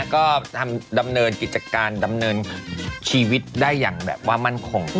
ก็ดำเนินกิจการดำเนินชีวิตได้อย่างแบบว่ามั่นคง